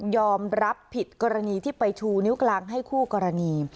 ยอมรับผิดกรณีที่ไปชูนิ้วกลางให้คู่กรณี